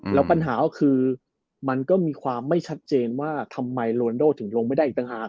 แล้วปัญหาก็คือมันก็มีความไม่ชัดเจนว่าทำไมโรนโดถึงลงไม่ได้อีกต่างหาก